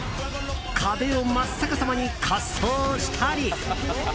壁を真っ逆さまに滑走したり。